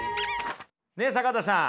ねえ坂田さん